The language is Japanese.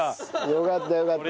よかったよかった。